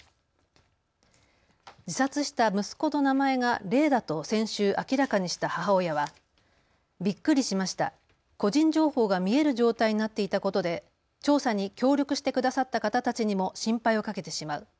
自殺した息子の名前が怜だと先週明らかにした母親はびっくりしました個人情報が見える状態になっていたことで調査に協力してくださった方たちにも心配をかけてしまう。